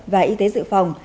và y tế dự phòng